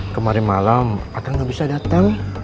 kemarin malam akang gak bisa datang